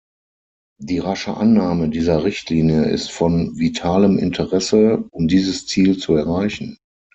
Die rasche Annahme dieser Richtlinie ist von vitalem Interesse, um dieses Ziel zu erreichen.